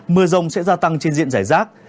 mưa rông sẽ gia tăng trên diện rải rác